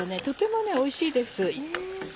とてもおいしいです。